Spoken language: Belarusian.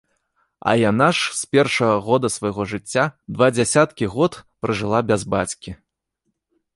А яна ж з першага года свайго жыцця два дзесяткі год пражыла без бацькі.